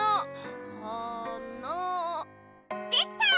できた！